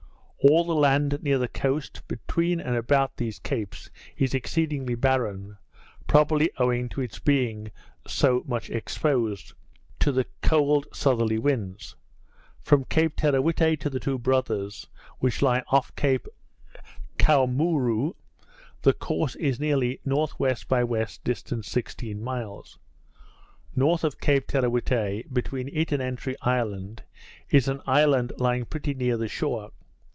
All the land near the coast, between and about these capes, is exceedingly barren; probably owing to its being so much exposed to the cold southerly winds. From Cape Teerawhitte to the Two Brothers, which lie off Cape Koamoroo, the course is nearly N.W. by N. distant sixteen miles. North of Cape Teerawhitte, between it and Entry Island, is an island lying pretty near the shore.